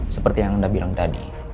seperti yang anda bilang tadi